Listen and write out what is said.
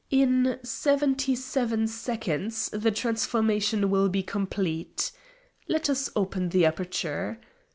In seventy seven seconds the transformation will be complete. ... Let us open the aperture.